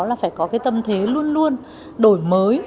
là phải có tâm thế luôn luôn đổi mới